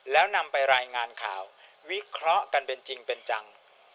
แล้วนำไปรายงานข่าววิเคราะห์กันเป็นจริงเป็นจัง